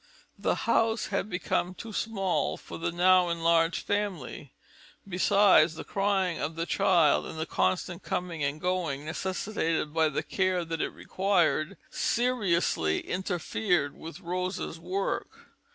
The house had become too small for the now enlarged family; besides, the crying of the child, and the constant coming and going necessitated by the care that it required seriously interfered with Rosa's work.